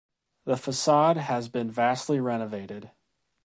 The facade has been vastly renovated.